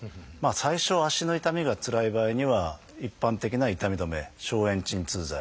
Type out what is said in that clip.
最初足の痛みがつらい場合には一般的な痛み止め消炎鎮痛剤。